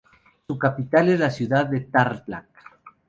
Su capital es la ciudad de Tarlac.